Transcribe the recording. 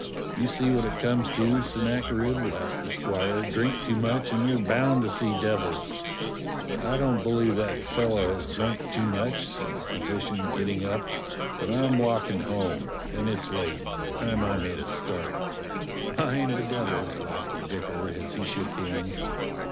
"You see what it comes to, Sennacherib," laughed the squire: "drink too much and you're bound to see devils!" "I don't believe that fellow has drunk too much," said the physician, getting up. " But I'm walking home, and it's late; time I made a start." "Mind the devils!" laughed the vicar as he shook hands.